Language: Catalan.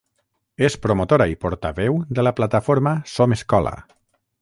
És promotora i portaveu de la plataforma Som Escola.